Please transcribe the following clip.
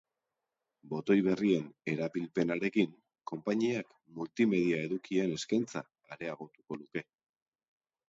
Botoi berrien erabilpenarekin konpainiak multimedia edukien eskaintza areagotuko luke.